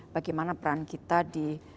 bagaimana peran kita di